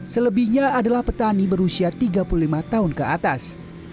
selebihnya adalah petani berusia tiga puluh lima tahun ke atas